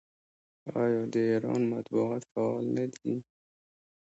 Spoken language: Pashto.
آیا د ایران مطبوعات فعال نه دي؟